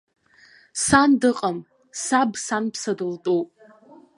Сан дыҟам, саб санԥса дылтәуп.